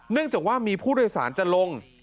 เนื่องจากว่ามีผู้โดยสารจะลง